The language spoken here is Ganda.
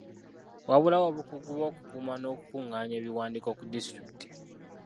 Wabulawo obukugu bw'okukuuma n'okukungaanya ebiwandiiko ku disitulikiti.